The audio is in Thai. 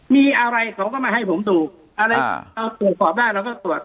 มีอะไรเขาก็มาให้ผมดูอะไรเอาตรวจสอบได้เราก็ตรวจ